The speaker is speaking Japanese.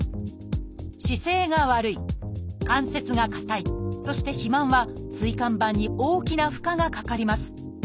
「姿勢が悪い」「関節が硬い」そして「肥満」は椎間板に大きな負荷がかかります。